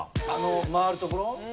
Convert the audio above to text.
あの回るところ？